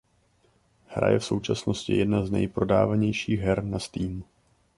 Hra je v současnosti jedna z nejprodávanějších her na Steam.